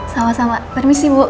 sama sama permisi bu